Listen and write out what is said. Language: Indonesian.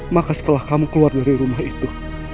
maka setelah kamu keluar dari rumah itu